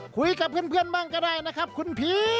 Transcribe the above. คุยกับเพื่อนบ้างก็ได้นะครับคุณพี่